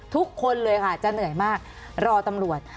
ทุกคนเลยค่ะจะเหนื่อยมากรอตำรวจ